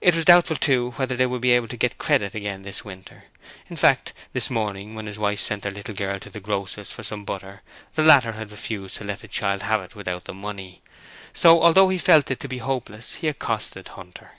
It was doubtful, too, whether they would be able to get credit again this winter. In fact this morning when his wife sent their little girl to the grocer's for some butter the latter had refused to let the child have it without the money. So although he felt it to be useless he accosted Hunter.